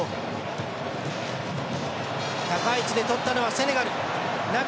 高い位置で取ったのはセネガル。